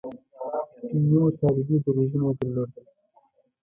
نیمو طالبي دریځونه یې درلودل.